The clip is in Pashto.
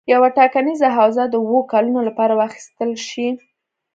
یوه ټاکنیزه حوزه د اووه کلونو لپاره واخیستل شي.